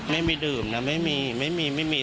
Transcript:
ไม่มีดื่มนะไม่มี